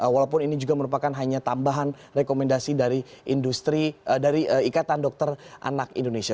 walaupun ini juga merupakan hanya tambahan rekomendasi dari industri dari ikatan dokter anak indonesia